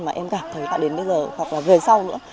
mà em gặp thấy cả đến bây giờ hoặc là về sau nữa